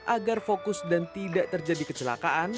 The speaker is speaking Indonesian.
agar fokus dan tidak terjadi kecelakaan